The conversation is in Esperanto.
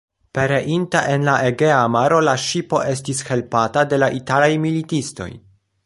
Pereinta en la Egea maro, la ŝipo estis helpata de la italaj militistoj.